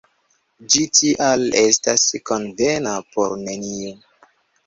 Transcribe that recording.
Ĝi, tial, estas konvena por neniu.